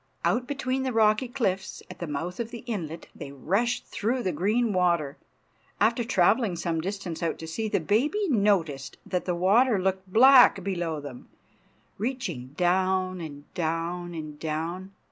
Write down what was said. Out between the rocky cliffs, at the mouth of the inlet, they rushed through the green water. After travelling some distance out to sea the baby noticed that the water looked black below them, reaching down and down and down.